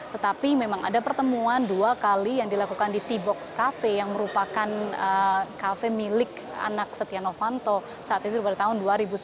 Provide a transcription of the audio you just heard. tetapi memang ada pertemuan dua kali yang dilakukan di t box cafe yang merupakan kafe milik anak setia novanto saat itu pada tahun dua ribu sepuluh